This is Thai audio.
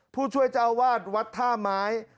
ผู้ช่วยเจ้าวาดวัดท่าไม้